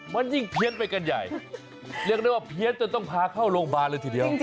มันยิ่งเพี้ยนไปกันใหญ่เรียกได้ว่าเพี้ยนจนต้องพาเข้าโรงพยาบาลเลยทีเดียว